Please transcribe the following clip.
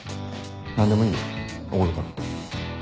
何でもいいよおごるから。